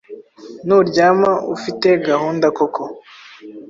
nuryama ufite gahunda koko